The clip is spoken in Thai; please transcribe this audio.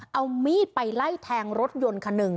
เอามีดไปไล่แทงรถยนต์คันหนึ่ง